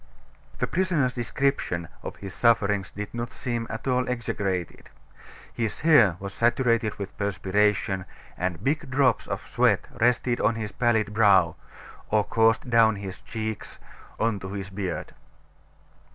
The prisoner's description of his sufferings did not seem at all exaggerated. His hair was saturated with perspiration, and big drops of sweat rested on his pallid brow, or coursed down his cheeks on to his beard.